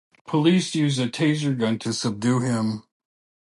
Police used a Taser gun to subdue him.